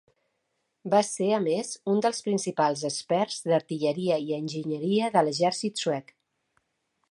Va ser a més un dels principals experts d'artilleria i enginyeria de l'exèrcit suec.